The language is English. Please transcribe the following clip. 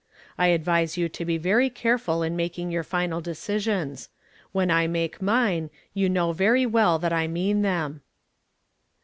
I advise you to be very careful in making your final decisions ; when I make mine, you know very well that I mean them."